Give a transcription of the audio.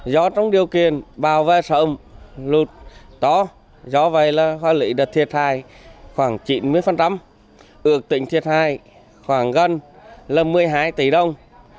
do trong điều kiện bảo vệ sở ống lụt to do vậy là hoa lý được thiệt hại khoảng chín mươi ước tỉnh thiệt hại khoảng gần là một mươi hai tỷ đồng